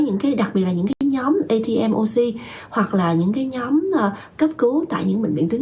những cái đặc biệt là những cái nhóm atmoc hoặc là những cái nhóm cấp cứu tại những bệnh viện tuyến